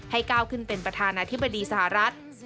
ก้าวขึ้นเป็นประธานาธิบดีสหรัฐ